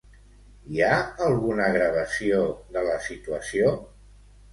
Hi ha alguna gravació de la situació?